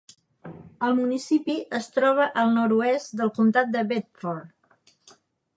El municipi es troba al nord-oest del comtat de Bedford.